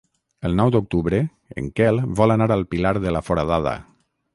El nou d'octubre en Quel vol anar al Pilar de la Foradada.